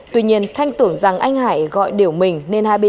tuy nhiên thanh tưởng rằng anh hải gọi điều mình